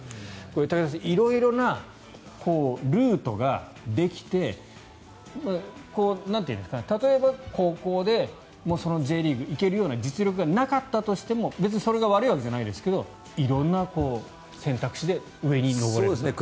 武田さん色々なルートができて例えば、高校でそのＪリーグ行けるような実力がなかったとしても別にそれが悪いわけではないですが色んな選択肢で上に上れるという。